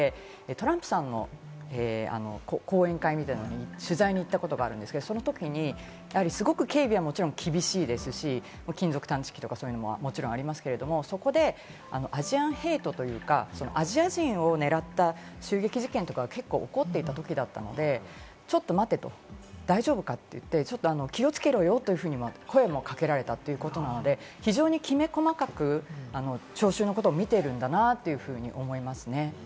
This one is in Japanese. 確かに私も友人が記者なんですけど、日本人でトランプさんの講演会みたいなのに取材に行ったことがあるんですけど、そのときにすごく警備はもちろん厳しいですし、金属探知機とかももちろんありますけど、そこでアジアンヘイトというか、アジア人を狙った襲撃事件とかは、結構起こっていた時だったので、ちょっと待てと、大丈夫かって言って、気をつけろよというふうに声もかけられたということなので、非常にきめ細かく聴衆のことを見ているんだなというふうに思います。